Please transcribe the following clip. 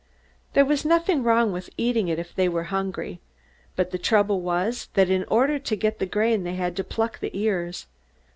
There was nothing wrong with eating it, if they were hungry. But the trouble was that in order to get the grain they had to pluck the ears.